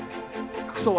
服装は？